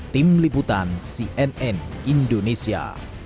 tim liputan cnn indonesia